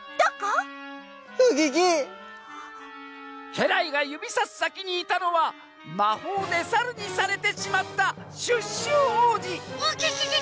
「けらいがゆびさすさきにいたのはまほうでサルにされてしまったシュッシュおうじ」。